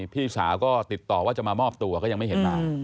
พี่สาวก็ติดต่อว่าจะมามอบตัวก็ยังไม่เห็นมา